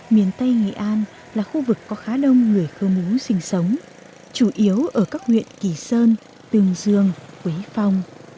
miền tây nghệ an là khu vực có khá đông người khơ mú sinh sống chủ yếu ở các huyện kỳ sơn tương dương quế phong